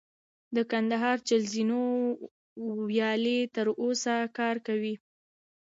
د کندهار چل زینو ویالې تر اوسه کار کوي